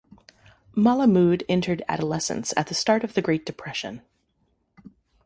Malamud entered adolescence at the start of the Great Depression.